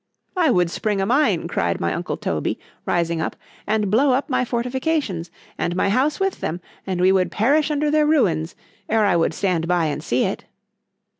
——I would spring a mine, cried my uncle Toby, rising up,——and blow up my fortifications, and my house with them, and we would perish under their ruins, ere I would stand by and see it.